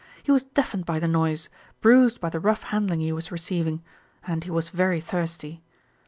He was deafened by the noise, bruised by the rough handling he was receiving, and he was very thirsty.